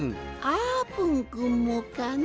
あーぷんくんもかね。